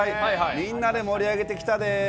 みんなで盛り上げてきたでー。